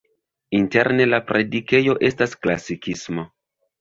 Interne la predikejo estas klasikisma.